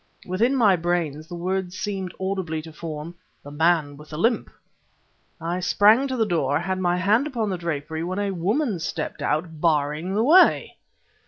Within my brain the words seemed audibly to form: "The man with the limp!" I sprang to the door; I had my hand upon the drapery ... when a woman stepped out, barring the way!